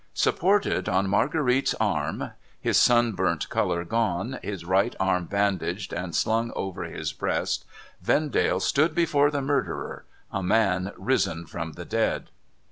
Supported on Marguerite's arm —■ his sunburnt colour gone, his right arm bandaged and slung over his breast — Vendale stood before the murderer, a man risen from the dead.